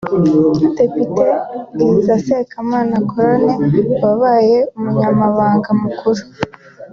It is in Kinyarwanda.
Depite Bwiza Sekamana Connie wabaye umunyamabanga mukuru